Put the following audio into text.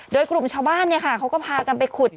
โดยกลุ่มชาวบ้านเขาก็พากันไปขุด